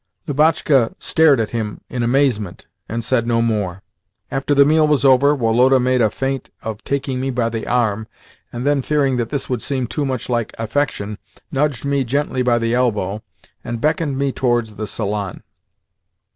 Lubotshka stared at him in amazement, and said no more. After the meal was over, Woloda made a feint of taking me by the arm, and then, fearing that this would seem too much like "affection," nudged me gently by the elbow, and beckoned me towards the salon.